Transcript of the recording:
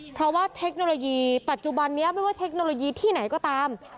เพราะว่าเทคโนโลยีปัจจุบันนี้ไม่ว่าเทคโนโลยีที่ไหนก็ตาม